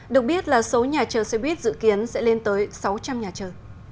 được biết là số nhà chờ xe buýt dự kiến sẽ lên tới sáu trăm linh nhà chờ